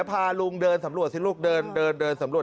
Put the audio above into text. พาลุงเดินสำรวจสิลูกเดินเดินสำรวจ